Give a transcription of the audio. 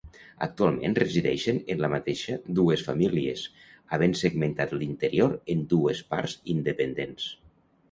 Actualment resideixen en la mateixa dues famílies, havent segmentat l'interior en dues parts independents.